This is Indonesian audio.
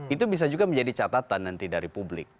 itu bisa juga menjadi catatan nanti dari publik